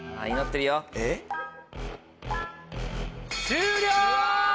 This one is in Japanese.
終了！